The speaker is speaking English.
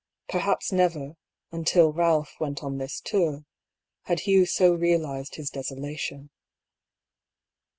Perhaps never, until Balph went on this tour, had Hugh so realised his desolation.